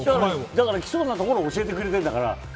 だから来そうなところを教えてくれてるんだから。